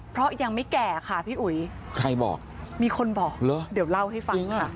เพราะยังไม่แก่ค่ะพี่อุ๋ยใครบอกมีคนบอกเหรอเดี๋ยวเล่าให้ฟังค่ะ